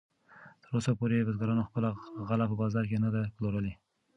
تراوسه پورې بزګرانو خپله غله په بازار کې نه ده پلورلې.